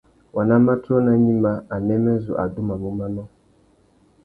Waná matiō nà gnïmá, anêmê zu adumamú manô.